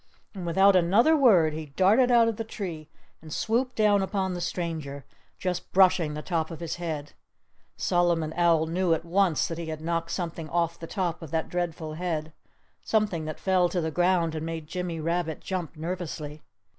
And without another word he darted out of the tree and swooped down upon the stranger, just brushing the top of his head. Solomon Owl knew at once that he had knocked something off the top of that dreadful head—something that fell to the ground and made Jimmy Rabbit jump nervously.